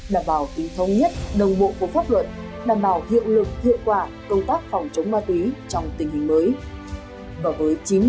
đảm bảo tính thông nhất đồng bộ của pháp luật đảm bảo hiệu lực hiệu quả công tác phòng chống ma túy trong tình hình mới